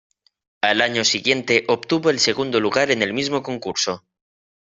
Al año siguiente, obtuvo el segundo lugar en el mismo concurso.